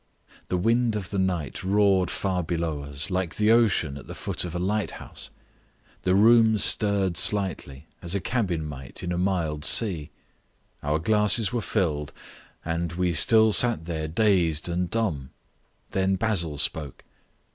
The wind of the night roared far below us, like an ocean at the foot of a light house. The room stirred slightly, as a cabin might in a mild sea. Our glasses were filled, and we still sat there dazed and dumb. Then Basil spoke.